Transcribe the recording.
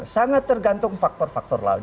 sangat tergantung faktor faktor lain